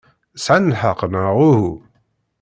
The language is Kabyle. Sɛant lḥeqq, neɣ uhu?